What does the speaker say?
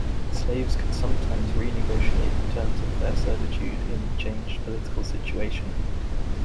Slaves could sometimes renegotiate the terms of their servitude in the changed political situation.